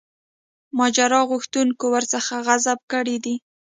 ماجرا غوښتونکو ورڅخه غصب کړی دی.